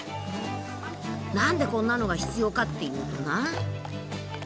何でこんなのが必要かっていうとな。